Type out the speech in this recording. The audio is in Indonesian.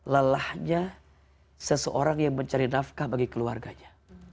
lelahnya seseorang yang mencari nafkah bagi keluarganya